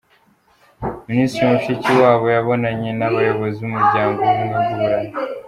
Minisitiri Mushikiwabo yabonanye n’abayobozi b’Umuryango w’Ubumwe bw’u Burayi